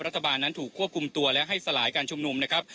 รัฐบาลนั้นถูกควบคุมตัวและให้สลายการชุมนุมนะครับ